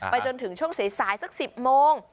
จนถึงช่วงสายสัก๑๐โมง